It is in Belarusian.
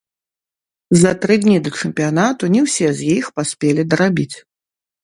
За тры тыдні да чэмпіянату не ўсе з іх паспелі дарабіць.